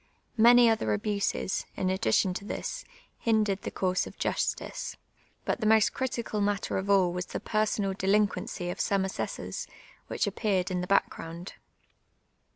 Many other abuse.s, in addition to this, bin U red the course of justice ; but the most critical matter of all k\ ;is the ])ersonal dulinciuency of some ai>8es.sors, which apjK'arcd \n tlie baekp^rouud.